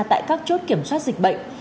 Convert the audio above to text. tại các chốt kiểm soát dịch bệnh